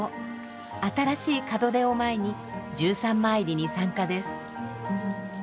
新しい門出を前に十三まいりに参加です。